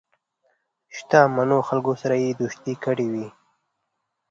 شته منو خلکو سره یې دوستی کړې وي.